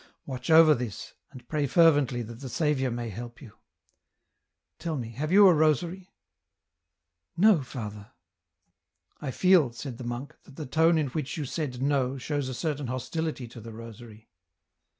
Watch over this, and pray fervently that the Saviour may help you. Tell me, have you a rosary ?"" No, father." " I feel," said the monk, " that the tone in which you said ' No ' shows a certain hostility to the rosary."